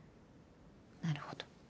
なるほど。